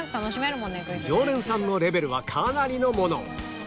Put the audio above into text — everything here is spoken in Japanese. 常連さんのレベルはかなりのもの